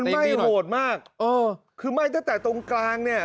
ไหม้โหดมากเออคือไหม้ตั้งแต่ตรงกลางเนี่ย